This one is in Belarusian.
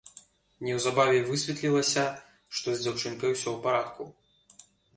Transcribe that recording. Неўзабаве высветлілася, што з дзяўчынкай усё ў парадку.